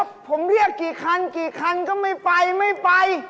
ผมเรียกกี่คันกี่คันก็ไม่ไปไม่ไป